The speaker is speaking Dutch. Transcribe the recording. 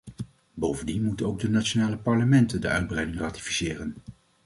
Bovendien moeten ook de nationale parlementen de uitbreiding ratificeren.